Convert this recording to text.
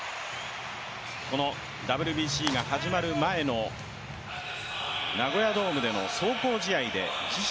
ＷＢＣが始まる前のナゴヤドームでの壮行試合で自身